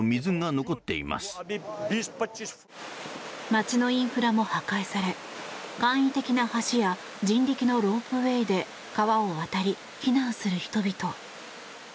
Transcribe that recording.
街のインフラも破壊され簡易的な橋や人力のロープウェイで川を渡り、避難する人々。